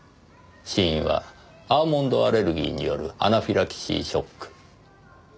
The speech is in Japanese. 死因はアーモンドアレルギーによるアナフィラキシーショック。